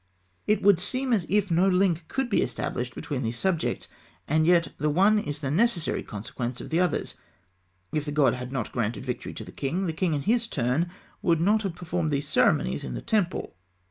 It would seem as if no link could be established between these subjects, and yet the one is the necessary consequence of the others. If the god had not granted victory to the king, the king in his turn would not have performed these ceremonies in the temple.